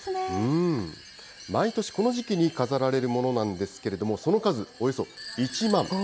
毎年、この時期に飾られるものなんですけれども、その数およそ１万。